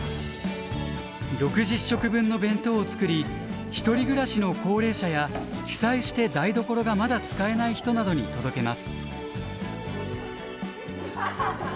６０食分の弁当を作り独り暮らしの高齢者や被災して台所がまだ使えない人などに届けます。